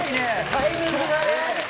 タイミングがね。